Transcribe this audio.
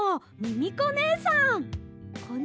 ミミコねえさん！